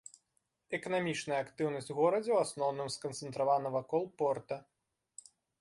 Эканамічная актыўнасць у горадзе ў асноўным сканцэнтравана вакол порта.